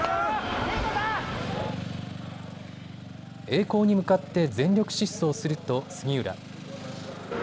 栄光に向かって全力疾走すると杉浦。